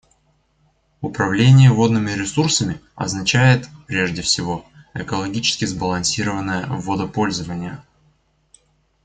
Управление водными ресурсами означает, прежде всего, экологически сбалансированное водопользование.